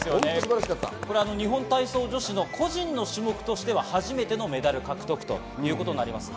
日本体操女子の個人の種目としては初めてのメダル獲得ということです。